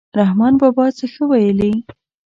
رحمان بابا څه ښه ویلي.